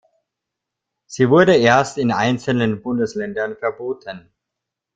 Sie wurde erst in einzelnen Bundesländern verboten.